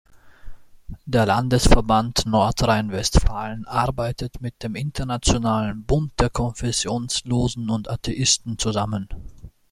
Der Landesverband Nordrhein-Westfalen arbeitet mit dem Internationalen Bund der Konfessionslosen und Atheisten zusammen.